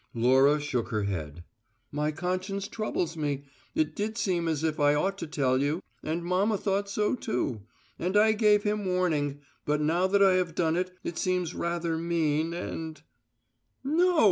Laura shook her head. "My conscience troubles me; it did seem as if I ought to tell you and mamma thought so, too; and I gave him warning, but now that I have done it, it seems rather mean and " "No!"